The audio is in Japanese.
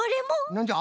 なんじゃ？